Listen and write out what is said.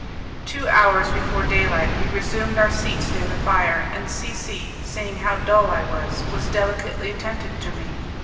Two hours before day light we resumed our seats near the fire, and C C , seeing how dull I was, was delicately attentive to me.